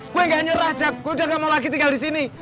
gue gak nyerah jak gue udah gak mau lagi tinggal di sini